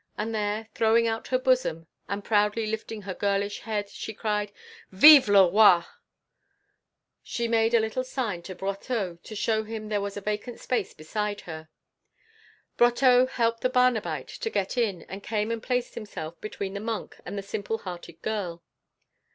And there, throwing out her bosom and proudly lifting her girlish head, she cried "Vive le Roi!" She made a little sign to Brotteaux to show him there was a vacant place beside her. Brotteaux helped the Barnabite to get in and came and placed himself between the monk and the simple hearted girl.